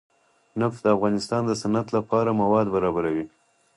نفت د افغانستان د صنعت لپاره مواد برابروي.